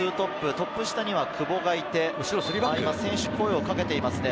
トップ下には久保がいて、声を掛けていますね。